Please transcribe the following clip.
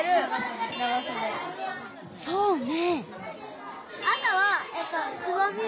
そうね。